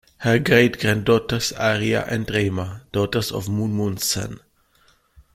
Her great-granddaughters are Ria and Raima, daughters of Moon Moon Sen.